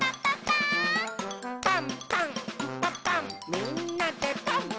「パンパンんパパンみんなでパン！」